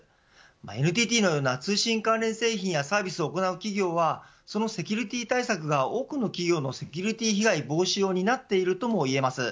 ＮＴＴのような通信関連製品やサービスを行う企業はそのセキュリティー対策が多くの企業のセキュリティー被害防止を担っているとも言えます。